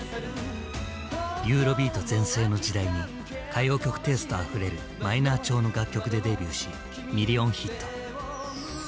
ユーロビート全盛の時代に歌謡曲テイストあふれるマイナー調の楽曲でデビューしミリオンヒット。